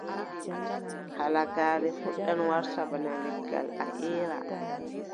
Halagaare fuɗɗan waata bana legal, a eera.